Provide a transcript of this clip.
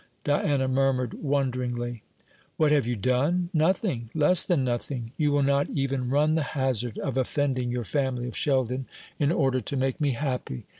Diana murmured wonderingly. "What have you done? Nothing, less than nothing. You will not even run the hazard of offending your family of Sheldon in order to make me happy.